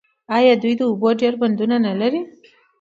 آیا دوی د اوبو ډیر بندونه نلري؟